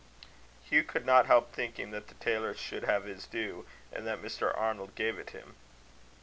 Hugh could not help thinking that the tailor should have his due, and that Mr. Arnold gave it him.